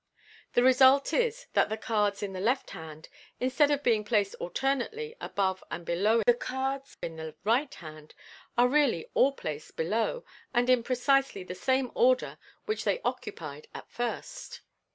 The result is, that the cards in the left hand, instead of being placed alternately above and below the cards in the right hand, are really all placed below, and in precisely the same order which they occupied at first.